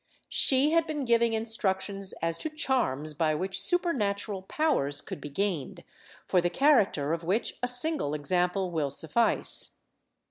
She had been giving instructions as to charms by which super natural powers could be gained, for the character of which a single example will suffice.